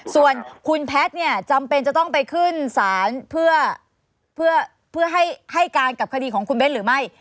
ส่วนคุณแพทย์เนี่ยจำเป็นจะต้องไปขึ้นศาลเพื่อให้การกับคดีของคุณเบ้นหรือไม่